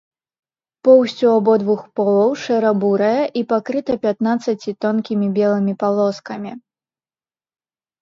Поўсць ў абодвух полаў шэра-бурая і пакрыта пятнаццаці тонкімі белымі палоскамі.